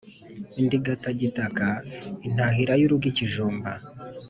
Indigitagitaka intahira y'urugo-Ikijumba.